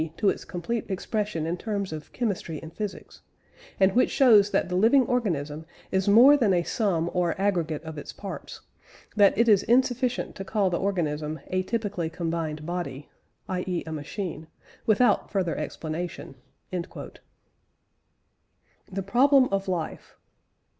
to its complete expression in terms of chemistry and physics), and which shows that the living organism is more than a sum or aggregate of its parts; that it is insufficient to call the organism 'a typically combined body' (i.e., a machine), without further explanation." THE PROBLEM OF LIFE.